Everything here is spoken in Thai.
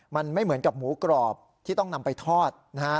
มันไม่เหมือนกับหมูกรอบที่ต้องนำไปทอดนะฮะ